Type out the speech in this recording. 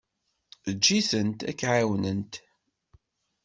Eǧǧ-itent ak-ɛawnent.